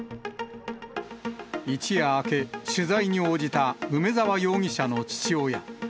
一夜明け、取材に応じた梅沢容疑者の父親。